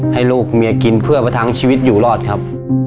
ให้ลูกเมียกินเพื่อประทังชีวิตอยู่รอดครับ